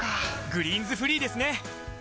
「グリーンズフリー」ですね！